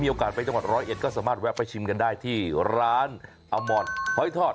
โอกาสไปจังหวัดร้อยเอ็ดก็สามารถแวะไปชิมกันได้ที่ร้านอมอนหอยทอด